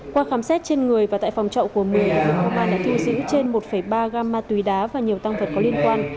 qua khám xét trên người và tại phòng trọ của mười lực lượng công an đã thu giữ trên một ba gam ma túy đá và nhiều tăng vật có liên quan